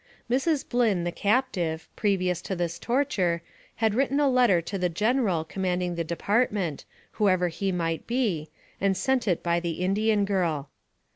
Mrs. Blynn, the captive, previous to this torture, had written a letter to the general commanding the department, whoever he might be, and sent it by the Indian girl.